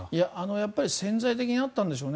やっぱり潜在的にあったんでしょうね。